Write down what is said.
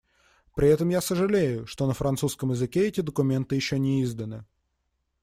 При этом я сожалею, что на французском языке эти документы еще не изданы.